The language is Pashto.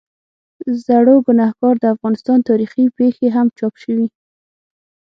زړوګناهکار، د افغانستان تاریخي پېښې هم چاپ شوي.